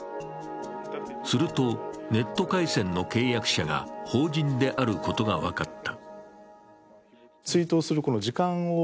すると、ネット回線の契約者が法人であることが分かった。